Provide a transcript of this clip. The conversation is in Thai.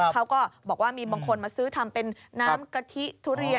เขาก็บอกว่ามีบางคนมาซื้อทำเป็นน้ำกะทิทุเรียน